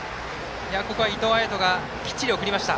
ここは、伊藤彩斗がきっちり送りました。